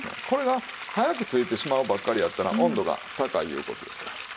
これが早くついてしまうばっかりやったら温度が高いいう事ですから。